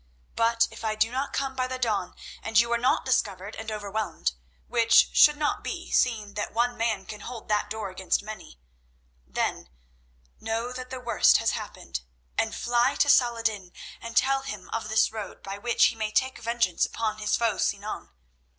But if I do not come by the dawn and you are not discovered and overwhelmed—which should not be, seeing that one man can hold that door against many—then know that the worst has happened, and fly to Salah ed din and tell him of this road, by which he may take vengeance upon his foe Sinan.